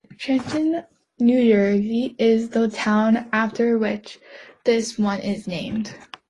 Trenton, New Jersey, is the town after which this one is named.